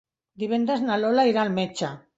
Divendres na Lola irà al metge.